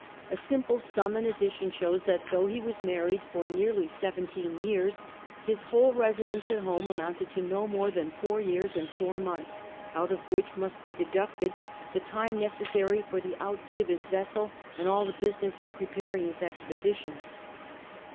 A simjilo sum in addition shows that though he was married for nearly seventeen years, his whole resi dence at home amounted to no more than four years and four months, out of which must be deducted the time necessary for the outfit of his vessel and all the business of preparing his expeditions.